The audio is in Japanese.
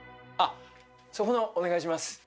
あっそこのお願いします。